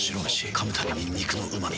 噛むたびに肉のうま味。